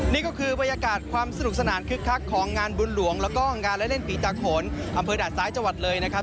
นี่ก็คือบรรยากาศความสนุกสนานคึกคักของงานบุญหลวงแล้วก็งานและเล่นปีตาโขนอำเภอด่านซ้ายจังหวัดเลยนะครับ